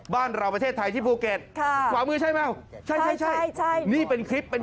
บ้านเราประเทศไทยที่ฟูเก็ตขวามือใช่มั้ยใช่นี่เป็นคลิป